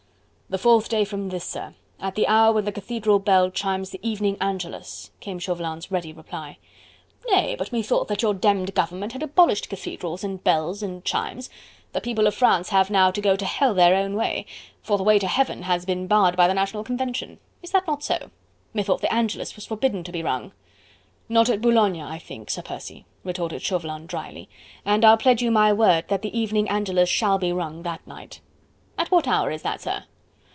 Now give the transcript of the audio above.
"The fourth day from this, sir, at the hour when the Cathedral bell chimes the evening Angelus," came Chauvelin's ready reply. "Nay! but methought that your demmed government had abolished Cathedrals, and bells and chimes.... The people of France have now to go to hell their own way... for the way to heaven has been barred by the National Convention.... Is that not so?... Methought the Angelus was forbidden to be rung." "Not at Boulogne, I think, Sir Percy," retorted Chauvelin drily, "and I'll pledge you my word that the evening Angelus shall be rung that night." "At what hour is that, sir?"